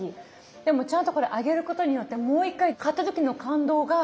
でもちゃんとこれ揚げることによってもう一回買った時の感動がよみがえります。